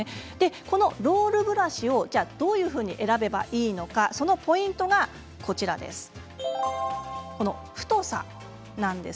このロールブラシをどういうふうに選べばいいのかそのポイントが、こちらです。